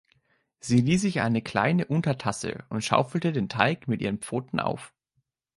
Sie lieh sich eine kleine Untertasse und schaufelte den Teig mit ihren Pfoten auf.